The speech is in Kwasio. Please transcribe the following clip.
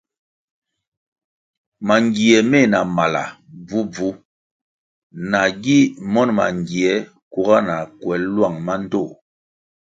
Mangie meh na mala bvubvu nagi monʼ mangie kuga na kwel lwang mandtoh.